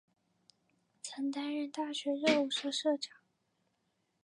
曾担任大学热舞社社长。